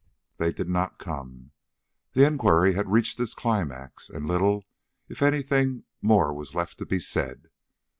They did not come. The inquiry had reached its climax, and little, if any thing, more was left to be said.